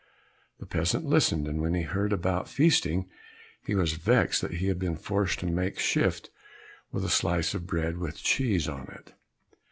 The peasant listened, and when he heard about feasting he was vexed that he had been forced to make shift with a slice of bread with cheese on it.